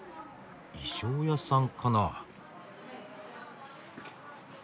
衣装屋さんかな。